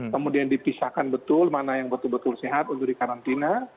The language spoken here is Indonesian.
kemudian dipisahkan betul mana yang betul betul sehat untuk dikarantina